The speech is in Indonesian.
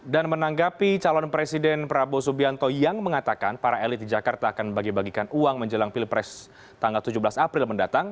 dan menanggapi calon presiden prabowo subianto yang mengatakan para elit di jakarta akan membagi bagikan uang menjelang pilpres tanggal tujuh belas april mendatang